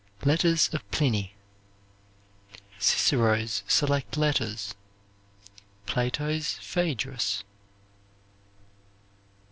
Letters of Pliny. Cicero's Select Letters. Plato's "Phaedrus."